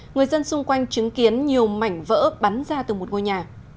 người dân xung quanh chứng kiến nhiều mảnh vỡ bắn ra từ một ngôi nhà